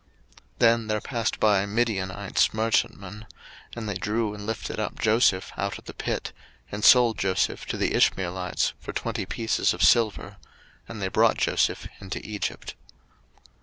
01:037:028 Then there passed by Midianites merchantmen; and they drew and lifted up Joseph out of the pit, and sold Joseph to the Ishmeelites for twenty pieces of silver: and they brought Joseph into Egypt.